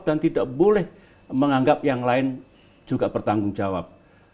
dan tidak boleh menganggap yang lain juga bertanggung jawab